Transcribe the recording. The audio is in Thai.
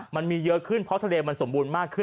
มันมีเยอะขึ้นเพราะทะเลมันสมบูรณ์มากขึ้น